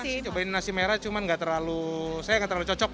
saya masih cobain nasi merah cuma saya gak terlalu cocok